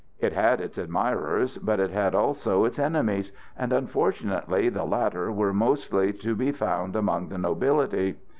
It had its admirers, but it had also its enemies; and unfortunately the latter were mostly to be found among the nobility.